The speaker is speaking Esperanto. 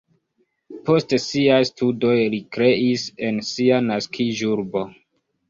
Post siaj studoj li kreis en sia naskiĝurbo.